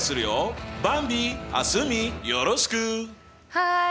はい。